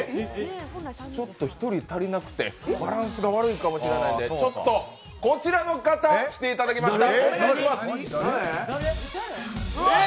ちょっと１人足りなくてバランスが悪いかもしれないので、こちらの方、来ていただきました。